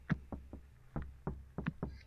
— Bo‘ladi, bo‘ladi.